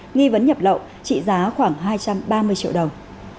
nghi vấn nhập lậu trị giá khoảng hai trăm ba mươi triệu đồng